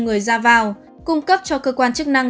người ra vào cung cấp cho cơ quan chức năng